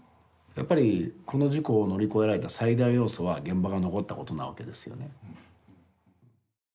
やっぱりこの事故を乗り越えられた最大要素は現場が残ったことなわけですよね。